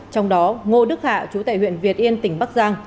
trong đó ngô đức hạ chú tại huyện việt yên tỉnh bắc giang